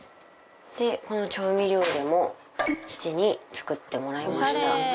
でこの調味料入れも父に作ってもらいました。